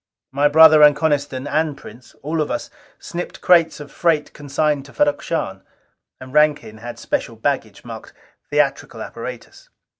My brother and Coniston and Prince all of us snipped crates of freight consigned to Ferrok Shahn; and Rankin had special baggage marked 'theatrical apparatus.'"